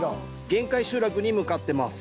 限界集落に向かってます。